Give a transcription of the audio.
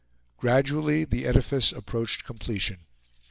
Gradually the edifice approached completion.